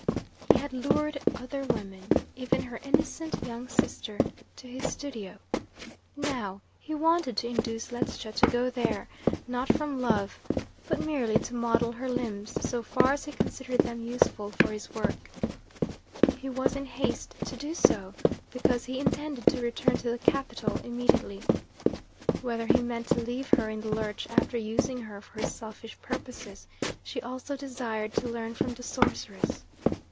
He had lured other women even her innocent young sister to his studio. Now he wanted to induce Ledscha to go there, not from love, but merely to model her limbs so far as he considered them useful for his work. He was in haste to do so because he intended to return to the capital immediately. Whether he meant to leave her in the lurch after using her for his selfish purposes, she also desired to learn from the sorceress.